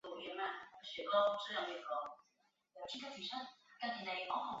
它一般通过书信和信札指导全世界的巴哈伊。